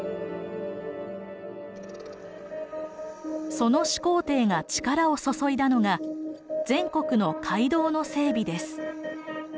その始皇帝が力を注いだのが全国の街道の整備です。